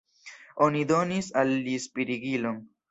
Oni donis al li spirigilon.